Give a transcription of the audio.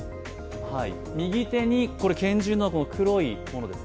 右手に拳銃の黒いものです